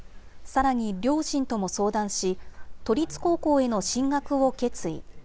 さらに両親とも相談し、都立高校への進学を決意。